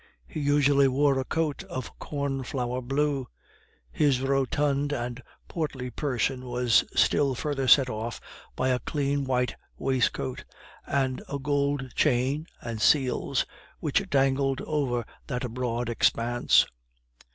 He usually wore a coat of corn flower blue; his rotund and portly person was still further set off by a clean white waistcoat, and a gold chain and seals which dangled over that broad expanse.